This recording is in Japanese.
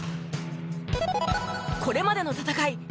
これまでの戦い